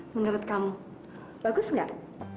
menurut kamu bagus nggak